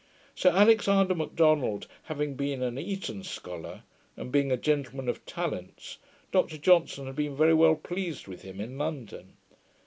Sir Alexander Macdonald having been an Eton scholar, and being a gentleman of talents, Dr Johnson had been very well pleased with him in London.